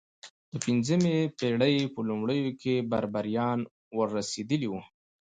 د پنځمې پېړۍ په لومړیو کې بربریان ور رسېدلي وو.